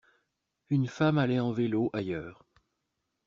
Une femme allait en vélo ailleurs.